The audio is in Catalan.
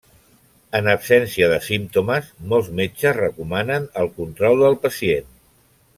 En absència de símptomes, molts metges recomanen el control del pacient.